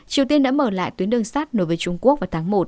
triều tiên đã mở lại tuyến đường sát nối với trung quốc vào tháng một